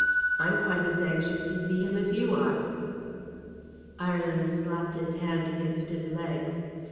I'm quite as anxious to see him as you are." Ireland slapped his hand against his legs.